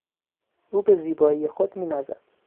او به زیبایی خود مینازد.